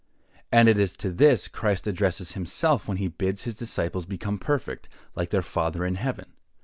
And it is to this Christ addresses himself when he bids his disciples become perfect, like their Father in heaven.